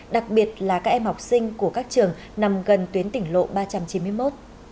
đặc biệt là các em học sinh của các trường nằm gần tuyến tỉnh lộ ba trăm chín mươi một